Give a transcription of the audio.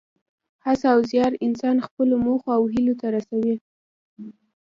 هڅه او زیار انسان خپلو موخو او هیلو ته رسوي.